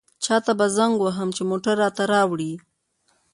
چاته به زنګ ووهم چې موټر راته راوړي.